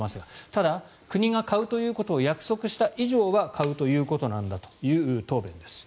ただ、国が買うということを約束した以上は買うということなんだという答弁です。